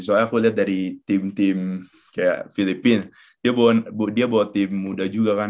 soalnya aku lihat dari tim tim kayak filipina dia bawa tim muda juga kan